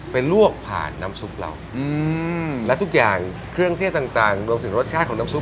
ไปลวกผ่านน้ำซุปเราแล้วทุกอย่างเครื่องเทศต่างดวงสิ่งรสชาติของน้ำซุป